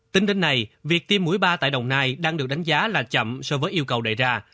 tính đến nay việc tiêm mũi ba tại đồng nai đang được đánh giá là chậm so với yêu cầu đề ra